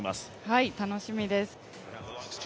はい、楽しみです。